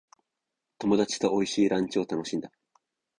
友達と美味しいランチを楽しんだ。